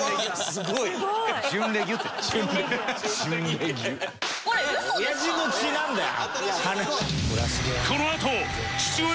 すごい！おやじの血なんだよ！